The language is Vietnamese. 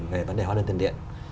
về vấn đề hoa lương tiền điện